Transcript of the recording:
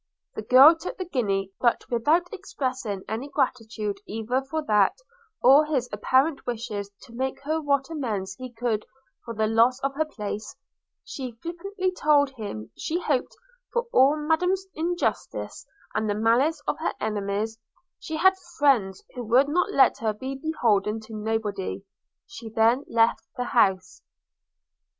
– The girl took the guinea, but without expressing any gratitude either for that, or his apparent wishes to make her what amends he could for the loss of her place: – she flippantly told him, she hoped, for all Madam's injustice, and the malice of her enemies, she had friends who would not let her be beholden to nobody – She then left the house.